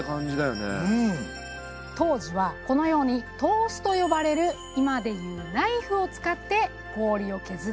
当時はこのように刀子と呼ばれる今で言うナイフを使って氷を削っていたそうなんです。